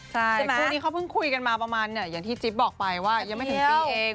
ส่วนคู่นี้เขาเพิ่งคุยกันมาประมาณเนี่ยอย่างที่จิ๊บบอกไปว่ายังไม่ถึงปีเอง